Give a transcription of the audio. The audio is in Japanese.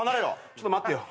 ちょっと待ってよ。